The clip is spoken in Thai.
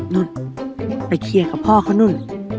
นู่นไปเคลียร์กับพ่อเขานู่น